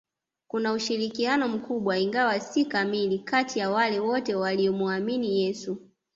Kuna ushirikiano mkubwa ingawa si kamili kati ya wale wote waliomuamini Yesu